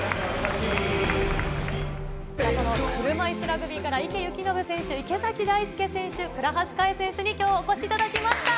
車いすラグビーから池透暢選手、池崎大輔選手、倉橋香衣選手にお越しいただきました。